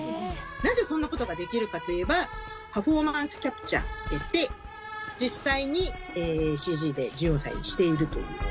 なぜそんなことができるかといえばパフォーマンス・キャプチャーをつけて実際にＣＧで１４歳にしていると。